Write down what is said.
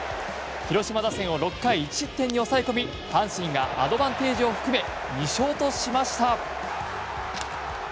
広島打線を６回１失点に抑え込み阪神がアドバンテージを含め２勝としました。